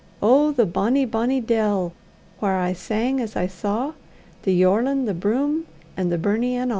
Oh! the bonny, bonny dell, whaur I sang as I saw The yorlin, the broom, an' the burnie, an' a'!